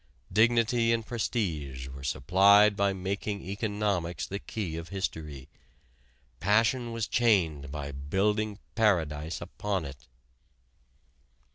Dignity and prestige were supplied by making economics the key of history; passion was chained by building paradise upon it.